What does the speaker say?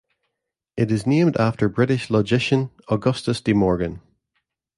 It is named after British logician Augustus De Morgan.